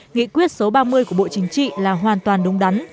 nghị quyết số ba mươi của bộ chính trị là hoàn toàn đúng đắn